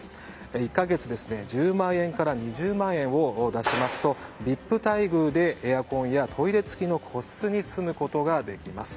１か月１０万円から２０万円を出しますとＶＩＰ待遇でエアコンやトイレ付きの個室に住むことができます。